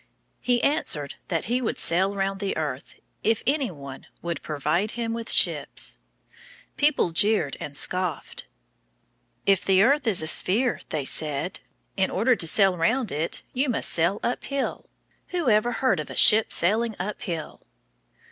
He answered that he would sail round the earth, if any one would provide him with ships. [Illustration: Christopher Columbus.] People jeered and scoffed. "If the earth is a sphere," they said, "in order to sail round it you must sail uphill! Who ever heard of a ship sailing uphill?"